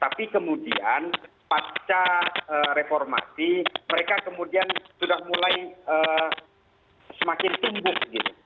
tapi kemudian pasca reformasi mereka kemudian sudah mulai semakin tumbuh gitu